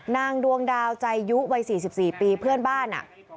ดวงดาวใจยุวัย๔๔ปีเพื่อนบ้าน